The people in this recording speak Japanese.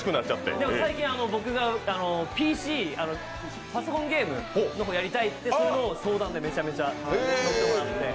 でも、最近、僕がパソコンゲームをやりたいという相談でめちゃめちゃ教えてもらって。